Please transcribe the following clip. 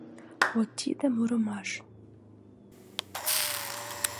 Вот тиде мурымаш